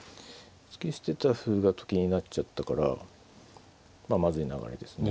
突き捨てた歩がと金になっちゃったからまあまずい流れですね。